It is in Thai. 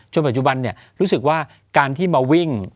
ปัจจุบันรู้สึกว่าการที่มาวิ่ง